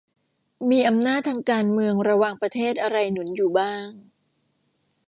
มีอำนาจทางการเมืองระหว่างประเทศอะไรหนุนอยู่บ้าง